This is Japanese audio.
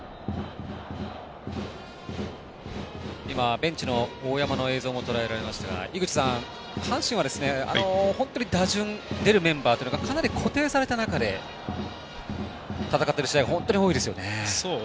ベンチの大山の映像もとらえられましたが阪神は本当に打順出るメンバーというのがかなり固定された中で戦っている試合が本当に多いですよね。